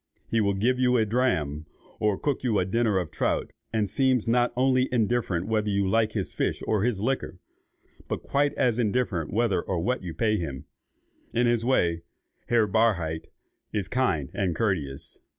He will give you a dram, or cook you a dinner of trout, and seems not only indifferent whether you like his fish or his liquor, but quite as indifferent whether and what you pay him. In his way, Herr Barhydt is kind and courteous.